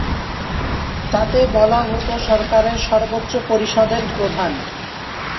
তাকে বলা হতো সরকারের সর্বোচ্চ পরিষদের প্রধান।